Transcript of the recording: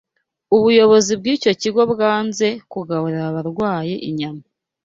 ubuyobozi bw’icyo kigo bwanze kugaburira abarwayi inyama